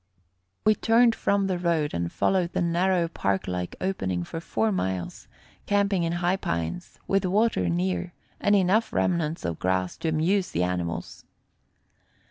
We turned from the road and followed the narrow park like opening for four miles, camping in high pines, with water near, and enough remnants of grass to amuse the animals.